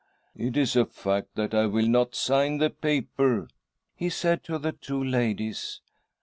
'It is a fact that I will not sign the paper,' he said to the two ladies.